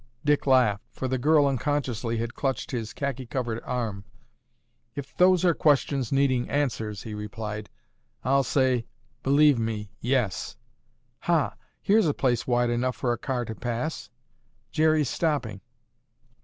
Dick laughed, for the girl, unconsciously, had clutched his khaki covered arm. "If those are questions needing answers," he replied, "I'll say, Believe me, yes. Ha, here's a place wide enough for a car to pass. Jerry's stopping."